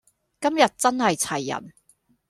今日真係齊人